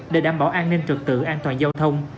để đảm bảo an ninh trực tự an toàn giao thông